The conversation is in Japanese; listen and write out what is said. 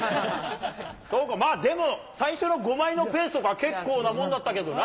そうか、でも最初の５枚のペースとか、結構なもんだったけどな。